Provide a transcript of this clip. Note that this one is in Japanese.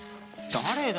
誰だ？